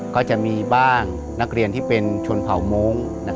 ก็จะมีบ้างนักเรียนที่เป็นชนเผาโม้ง